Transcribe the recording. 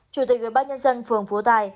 chủ tịch ubnd phường phú tài